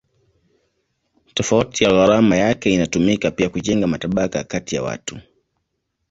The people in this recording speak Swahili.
Tofauti ya gharama yake inatumika pia kujenga matabaka kati ya watu.